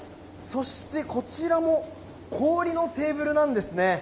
そして、こちらも氷のテーブルなんですね。